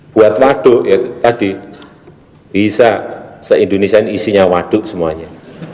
buat waduk ya tadi bisa se indonesia ini isinya waduk semuanya